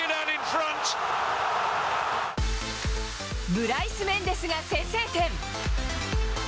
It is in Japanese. ブライス・メンデスが先制点。